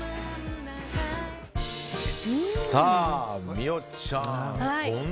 美桜ちゃん